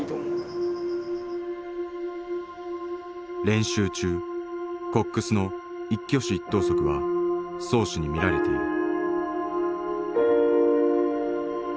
練習中コックスの一挙手一投足は漕手に見られている。